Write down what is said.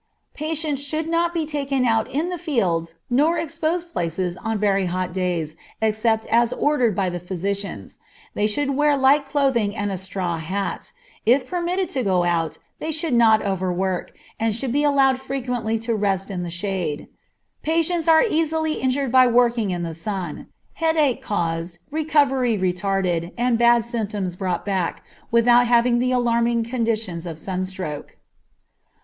Patients should not be taken out in the fields nor exposed places on very hot days, except as ordered by the physicians; they should wear light clothing and a straw hat; if permitted to go out, they should not overwork, and should be allowed frequently to rest in the shade. Patients are easily injured by working in the sun; headache caused, recovery retarded, and bad symptoms brought back, without having the alarming conditions of sunstroke.